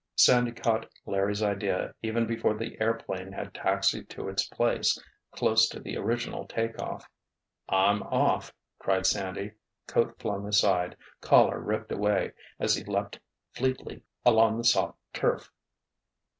Sandy caught Larry's idea even before the airplane had taxied to its place, close to the original take off. "I'm off!" cried Sandy, coat flung aside, collar ripped away, as he leaped fleetly along the soft turf.